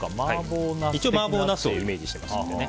一応、麻婆ナスをイメージしていますので。